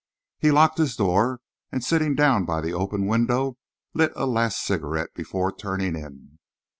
He locked his door, and, sitting down by the open window, lit a last cigarette before turning in.